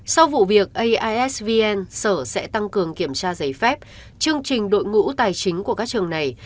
sau vụ việc aisvn sở sẽ tăng cường kiểm tra giấy phép chương trình đội ngũ tài chính của các trường này